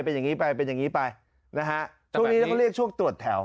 เป็นอย่างนี้ไปเป็นอย่างนี้ไปนะฮะช่วงนี้แล้วก็เรียกช่วงตรวจแถว